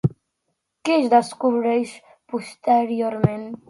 Què es descobreix posteriorment?